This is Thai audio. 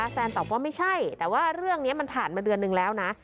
ตอบว่าไม่ใช่แต่ว่าเรื่องนี้มันผ่านมาเดือนนึงแล้วนะ